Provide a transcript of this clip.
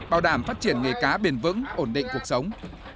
bảo đảm phát triển nghề cá bền vững ổn định cuộc sống